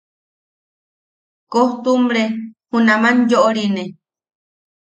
Koojtumbre junam yoʼorine.